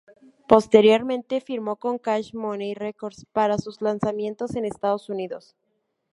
Posteriormente firmó con Cash Money Records para sus lanzamientos en Estados Unidos.